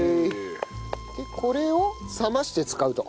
でこれを冷まして使うと。